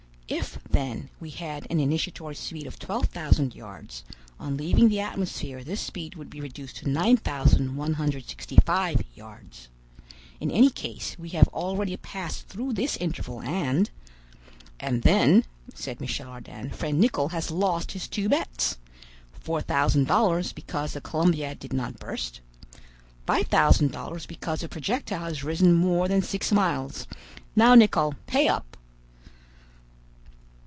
If, then, we had an initiatory speed of 12,000 yards, on leaving the atmosphere this speed would be reduced to 9,165 yards. In any case we have already passed through this interval, and—" "And then," said Michel Ardan, "friend Nicholl has lost his two bets: four thousand dollars because the Columbiad did not burst; five thousand dollars because the projectile has risen more than six miles. Now, Nicholl, pay up."